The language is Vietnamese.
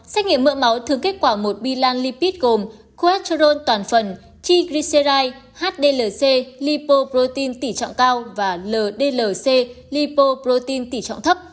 xách nghiệm mỡ máu thường kết quả một bilan lipid gồm quaterol toàn phần triglyceride hdlc lipoprotein tỉ trọng cao và ldlc lipoprotein tỉ trọng thấp